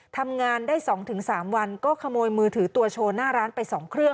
ทำงานได้๒๓วันก็ขโมยมือถือตัวโชว์หน้าร้านไป๒เครื่อง